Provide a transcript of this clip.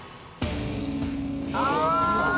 「ああ！」